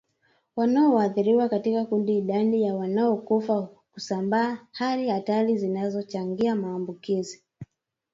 wanaoathiriwa katika kundi idadi ya wanaokufa kusambaa hali hatari zinazochangia maambukizi